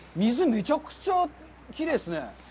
めちゃくちゃきれいですね。